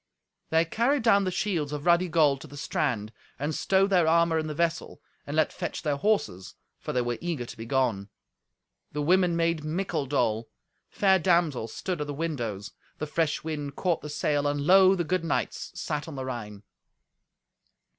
They carried down the shields of ruddy gold to the strand, and stowed their armour in the vessel, and let fetch their horses, for they were eager to be gone. The women made mickle dole. Fair damsels stood at the windows. The fresh wind caught the sail, and lo! the good knights sat on the Rhine.